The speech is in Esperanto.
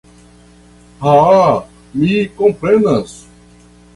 Ha, mi komprenas.